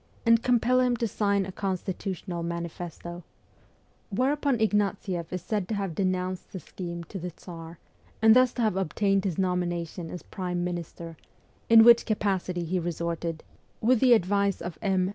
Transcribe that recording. and compel him to sign a constitutional mani festo ; whereupon Ignatieff is said to have denounced the scheme to the Tsar, and thus to have obtained his nomination as prime minister, in which capacity he resorted, with the advice of M.